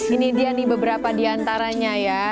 ini dia nih beberapa diantaranya ya